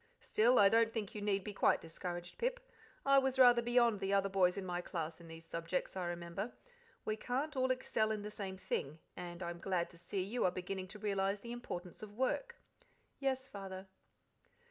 "Still, I don't think you need be quite discouraged, Pip. I was rather beyond the other boys in my class in these subjects, I remember. We can't all excel in the same thing, and I'm glad to see you are beginning to realize the importance of work." "Yes, Father."